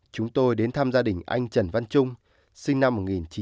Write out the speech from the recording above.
chúng tôi đến thăm gia đình anh trần văn trung sinh năm một nghìn chín trăm tám mươi